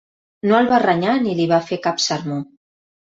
No el va renyar ni li va fer cap sermó.